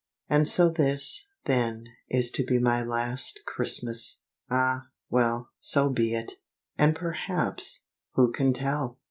And so this, then, is to be my last Christmas! Ah, well, so be it! And perhaps who can tell?